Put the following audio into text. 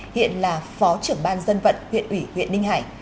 hiện là phó trưởng ban dân vận huyện ủy huyện ninh hải